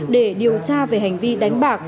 để điều tra về hành vi đánh bạc